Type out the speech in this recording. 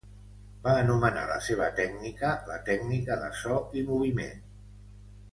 Va anomenar la seva tècnica la tècnica de "so i moviment".